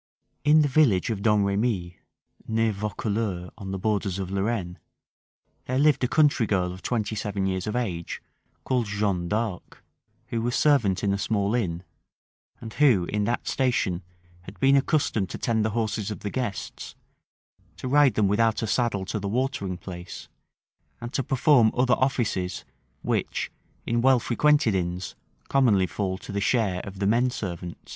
In the village of Domremi, near Vaucouleurs, on the borders of Lorraine, there lived a country girl of twenty seven years of age, called Joan d'Arc, who was servant in a small inn, and who in that station had been accustomed to tend the horses of the guests, to ride them without a saddle to the watering place, and to perform other offices which, in well frequented inns, commonly fall to the share of the men servants.